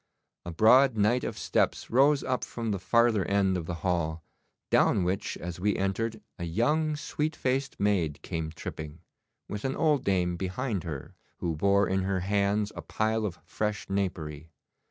A broad night of steps rose up from the farther end of the hall, down which as we entered a young sweet faced maid came tripping, with an old dame behind her, who bore in her hands a pile of fresh napery.